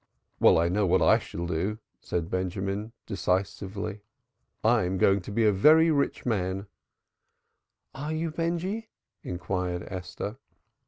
"Well, I know what I shall do!" said Benjamin decisively; "I'm going to be a very rich man " "Are you, Benjy?" inquired Esther.